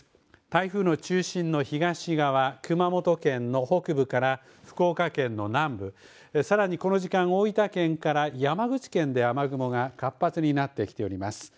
台風の中心の東側、熊本県の北部から福岡県の南部、さらにこの時間、大分県から山口県で雨雲が活発になってきております。